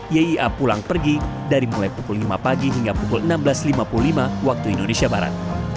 yia pulang pergi dari mulai pukul lima pagi hingga pukul enam belas lima puluh lima waktu indonesia barat